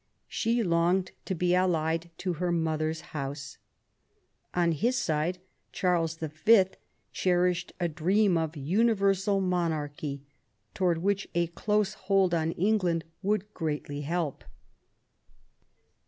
She longed to be allied to her mother's house. On his side, Charles V. cherished a dream of universal monarchy, towards which a close hold on England would greatly help.